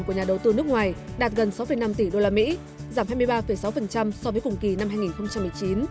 của nhà đầu tư nước ngoài đạt gần sáu năm tỷ usd giảm hai mươi ba sáu so với cùng kỳ năm hai nghìn một mươi chín